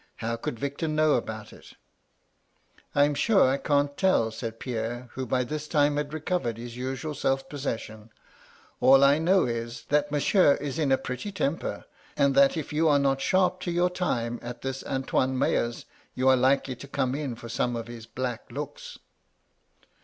How could Victor know about it?' "* I am sure I canH tell,' said Pierre, who by this time had recovered his usual self possession. 'All I know is, that Monsieur is in a pretty temper, and that if you are not sharp to your time at this Antoine Meyer's you are likely to come in for some of his black looks.'